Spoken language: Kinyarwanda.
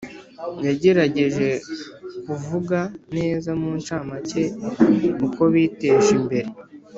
Yagerageje kuvuga neza muncamake uko biteje imbere